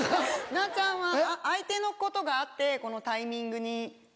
なーちゃんは相手のことがあってこのタイミングに。